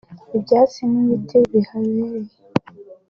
ibyatsi n’ibiti bihabereye